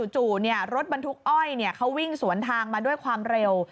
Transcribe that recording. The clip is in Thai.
จู่รถบรรทุกอ้อยเขาวิ่งสวนทางมาด้วยความเร็ว